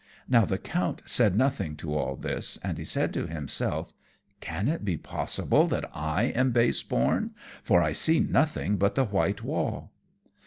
Now the Count said nothing to all this, and he said to himself, "Can it be possible that I am base born, for I see nothing but the white wall?"